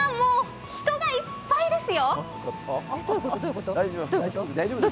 人がいっぱいですよ！